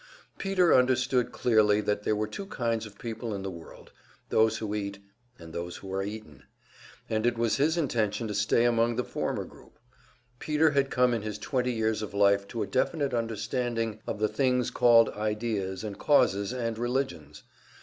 Peter understood clearly that there are two kinds of people in the world, those who eat, and those who are eaten; and it was his intention to stay among the former, group. Peter had come in his twenty years of life to a definite understanding of the things called "ideas" and "causes" and "religions."